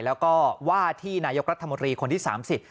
แล้วก็ว่าที่นายกรัฐมนตรีคนที่สามสิบ